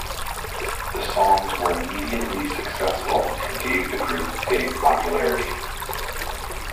The songs were immediately successful and gave the group big popularity.